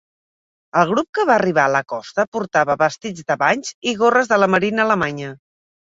El grup que va arribar a la costa portava vestits de banys i gorres de la Marina alemanya.